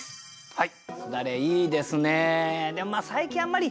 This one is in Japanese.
はい。